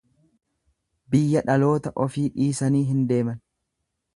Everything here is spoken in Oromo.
Biyya dhaloota ofi dhiisanii hin deeman.